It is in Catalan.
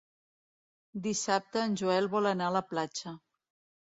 Dissabte en Joel vol anar a la platja.